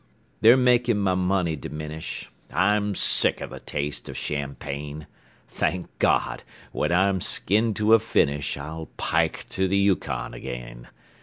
They're making my money diminish; I'm sick of the taste of champagne. Thank God! when I'm skinned to a finish I'll pike to the Yukon again.